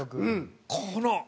この！